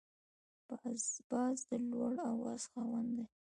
باز د لوړ اواز خاوند دی